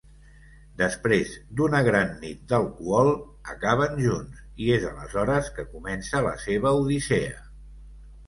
Després d'una gran nit d'alcohol, acaben junts, i és aleshores que comença la seva odissea.